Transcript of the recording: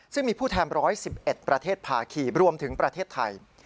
ซึ่งมีผู้แทน๑๑๑ประเทศภาคีรวมถึงประเทศไทย